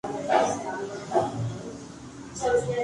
South Floral Park se encuentra dentro del pueblo de Hempstead.